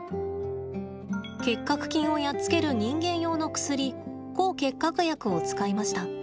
結核菌をやっつける人間用の薬抗結核薬を使いました。